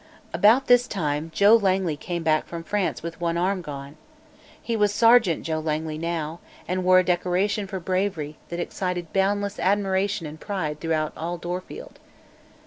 About this time Joe Langley came back from France with one arm gone. He was Sergeant Joe Langley, now, and wore a decoration for bravery that excited boundless admiration and pride throughout all Dorfield.